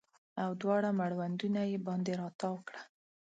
او دواړه مړوندونه یې باندې راتاو کړه